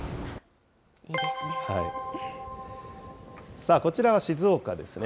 さあ、こちらは静岡ですね。